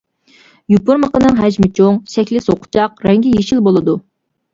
يوپۇرمىقىنىڭ ھەجمى چوڭ، شەكلى سوقىچاق، رەڭگى يېشىل بولىدۇ.